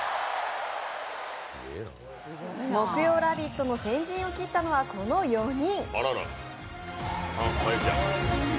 木曜「ラヴィット！」の先陣を切ったのはこの４人。